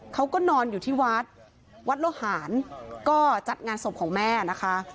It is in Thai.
เขาก็นอนอยู่ที่วัดวัดโลหารก็จัดงานศพของแม่นะคะ